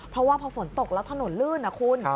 เพราะว่าพอฝนตกแล้วถนนลื่นนะคุณ